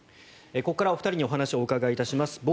ここからお二人にお話をお伺いいたします。